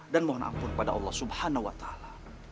dan mohon ampun pada allah subhanahu wa ta'ala